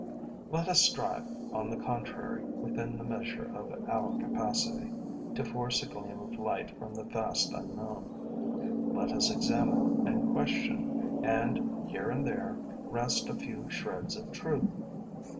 Let us strive, on the contrary, within the measure of our capacity, to force a gleam of light from the vast unknown; let us examine and question and, here and there, wrest a few shreds of truth.